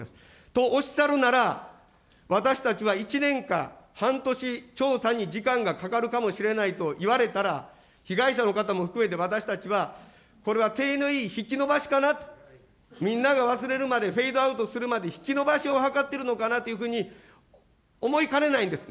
とおっしゃるなら、私たち、１年間、半年、調査に時間がかかるかもしれないと言われたら、被害者の方も含めて私たちは、これは体のいい引き延ばしかなと、みんなが忘れるまでフェードアウトするまで、引き延ばしを図っているのかなというふうに思いかねないんです。